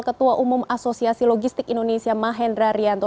ketua umum asosiasi logistik indonesia mahendra rianto